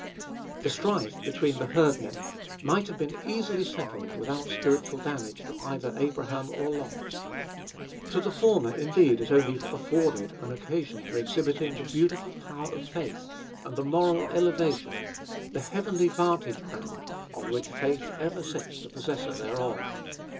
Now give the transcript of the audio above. The strife between the herdmen might have been easily settled without spiritual damage to either Abraham or Lot. To the former, indeed, it only afforded an occasion for exhibiting the beautiful power of faith, and the moral elevation, the heavenly vantage ground, on which faith ever sets the possessor thereof.